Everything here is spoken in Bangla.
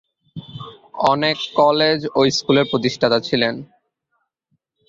অনেক কলেজ ও স্কুলের প্রতিষ্ঠাতা ছিলেন।